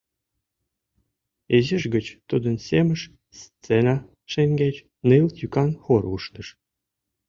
Изиш гыч тудын семыш сцена шеҥгеч ныл йӱкан хор ушныш: